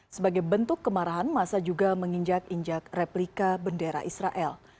sebagai bentuk kemarahan masa juga menginjak injak replika bendera israel